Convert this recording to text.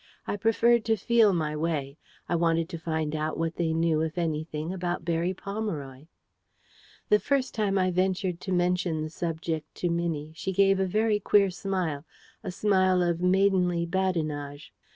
I preferred to feel my way. I wanted to find out what they knew, if anything, about Berry Pomeroy. The first time I ventured to mention the subject to Minnie, she gave a very queer smile a smile of maidenly badinage.